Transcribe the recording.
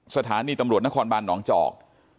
สถานีตำรวจนครบานหนองจอก